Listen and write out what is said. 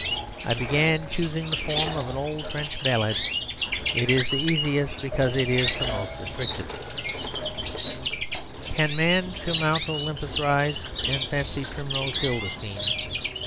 I began, choosing the form of an old French ballade; it is the easiest because it is the most restricted "Can Man to Mount Olympus rise, And fancy Primrose Hill the scene?